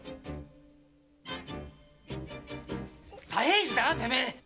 左平次だなてめえ！